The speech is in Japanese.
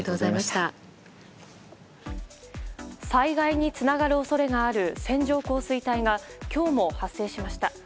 災害につながる恐れがある線状降水帯が今日も発生しました。